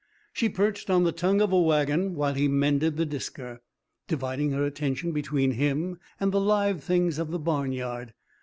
She perched on the tongue of a wagon while he mended the disker, dividing her attention between him and the live things of the barnyard.